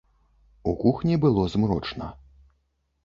У кухні было змрочна.